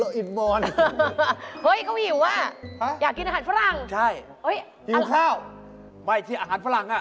อะไรคะอยากติ่งอะไรอาหารฟรั่ง